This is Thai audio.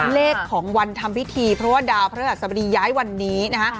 เลขของวันทำพิธีเพราะว่าดาวพระราชสบดีย้ายวันนี้นะคะ